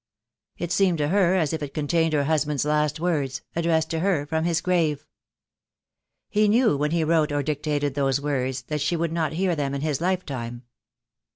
It seemed to her as if it contained her husband's last words, addressed to her from his grave. He knew when he wrote or dictated THE DAY WILL COME. 1 33 those words that she would not hear them in his lifetime.